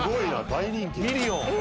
大人気。